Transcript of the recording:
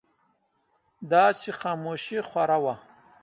داسې خاموشي خوره وه.